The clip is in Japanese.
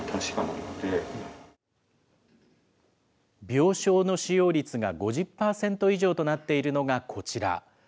病床の使用率が５０％以上となっているのがこちら。